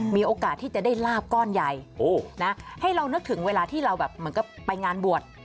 มีโอกาสที่จะได้ลาบก้อนใหญ่ให้เรานึกถึงเวลาที่เราแบบเหมือนกับไปงานบวช